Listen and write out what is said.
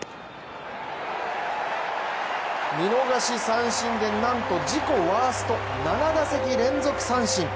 見逃し三振でなんと自己ワースト７打席連続三振。